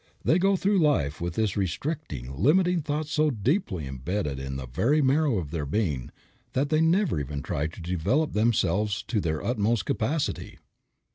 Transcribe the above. They go through life with this restricting, limiting thought so deeply embedded in the very marrow of their being that they never even try to develop themselves to their utmost capacity.